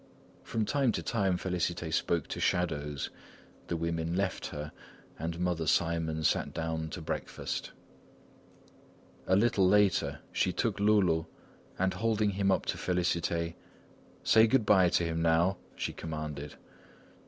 From time to time Félicité spoke to shadows. The women left her and Mother Simon sat down to breakfast. A little later, she took Loulou and holding him up to Félicité: "Say good bye to him, now!" she commanded.